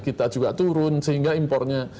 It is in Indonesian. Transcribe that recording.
kita juga turun sehingga impornya